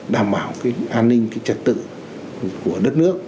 đảm bảo cái an ninh trật tự của đất nước